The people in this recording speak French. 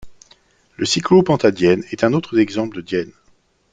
Le cyclopentadiène est un autre exemple de diène.